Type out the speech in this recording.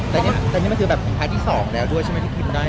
แต่นี่มันคือแบบทางท้ายที่สองแล้วด้วยใช่ไหมที่กินได้